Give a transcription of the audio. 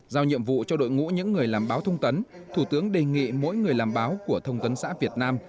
giao nhiệm vụ cho đội ngũ những người làm báo thông tấn thủ tướng đề nghị mỗi người làm báo của thông tấn xã việt nam